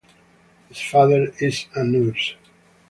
His father is a nurse.